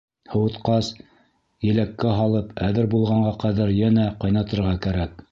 Һыуытҡас, еләккә һалып, әҙер булғанға ҡәҙәр йәнә ҡайнатырға кәрәк.